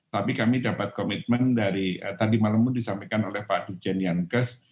tapi kami dapat komitmen dari tadi malam pun disampaikan oleh pak dijen yankes